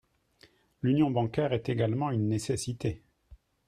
L’union bancaire est également une nécessité.